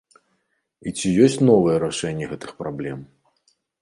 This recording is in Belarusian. І ці ёсць новыя рашэнні гэтых праблем?